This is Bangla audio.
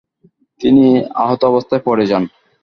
তিনি আহতাবস্থায় পড়ে যান।